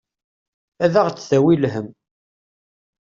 Ad aɣ-d-tawi lhemm.